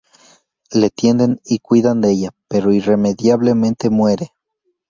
Le tienden y cuidan de ella, pero irremediablemente muere.